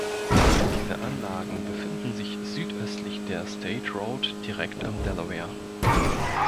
Diese Anlagen befinden sich südöstlich der State Road direkt am Delaware.